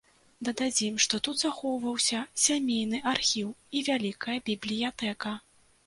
Дададзім, што тут захоўваўся сямейны архіў і вялікая бібліятэка.